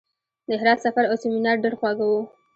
د هرات سفر او سیمینار ډېر خواږه وو.